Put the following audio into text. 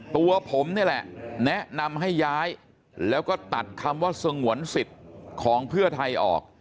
ตัวผมนี่แหละแนะนำให้ย้ายแล้วก็ตัดคำว่าสงวนสิทธิ์ของเพื่อไทยออก